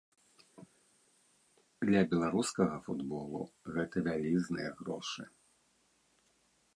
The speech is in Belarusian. Для беларускага футболу гэта вялізныя грошы.